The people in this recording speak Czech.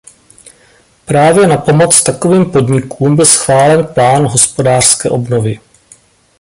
Právě na pomoc takovým podnikům byl schválen plán hospodářské obnovy.